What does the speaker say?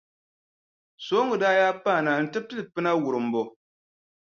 Sooŋa daa yaa paana nti pili pina wurimbu.